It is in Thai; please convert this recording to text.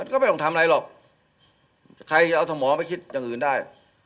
ก็ไม่ต้องทำอะไรหรอกใครจะเอาสมอไปคิดอย่างอื่นได้